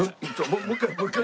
もう一回もう一回。